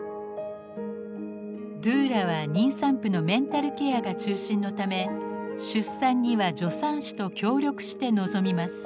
ドゥーラは妊産婦のメンタルケアが中心のため出産には助産師と協力して臨みます。